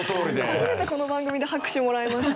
初めてこの番組で拍手もらいました。